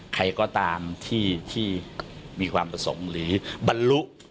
ใครก็ตามที่มีความประสงค์หรือบรรลุ